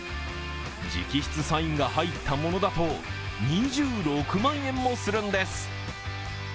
直筆サインが入ったものだと２６万円もするんです。